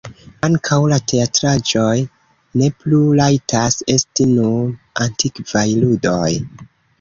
Ankaŭ la teatraĵoj ne plu rajtas esti nur antikvaj ludoj.